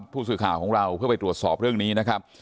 ผู้สื่อข่าวของเราเพื่อไปตรวจสอบเรื่องนี้นะครับ